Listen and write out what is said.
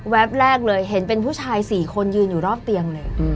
แรกเลยเห็นเป็นผู้ชาย๔คนยืนอยู่รอบเตียงเลย